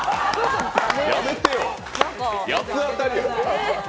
やめてよ、八つ当たりや。